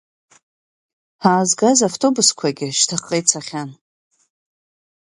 Ҳаазгаз автоубсқәагьы шьҭахьҟа ицахьан.